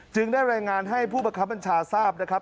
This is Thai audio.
ได้รายงานให้ผู้บังคับบัญชาทราบนะครับ